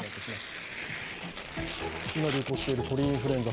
今流行している鳥インフルエンザ